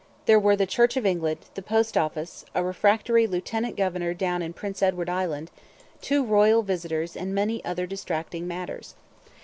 There were the Church of England, the Post Office, a refractory lieutenant governor down in Prince Edward Island, two royal visitors, and many other distracting matters.